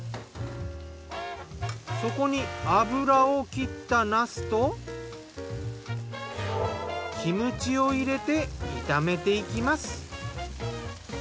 そこに油をきったなすとキムチを入れて炒めていきます。